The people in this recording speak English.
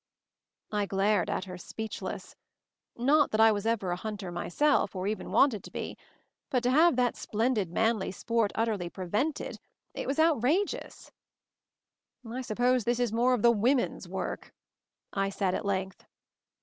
I glared at her, speechless. Not that I was ever a hunter myself, or even wanted to be; but to have that splendid manly sport utterly prevented — it was outrageous I "I suppose this is more of the women's work," I said at length.